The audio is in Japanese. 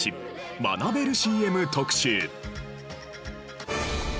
学べるＣＭ特集。